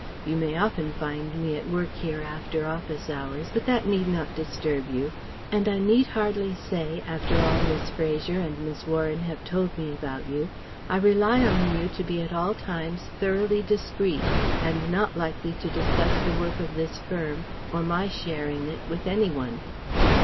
You may often find me at work here after office hours, but that need not disturb you ... and I need hardly say, after all Miss Fraser and Miss Warren have told me about you, I rely on you to be at all times thoroughly discreet and not likely to discuss the work of this firm or my share in it with any one?"...